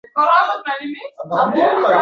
Tobut marosim zalida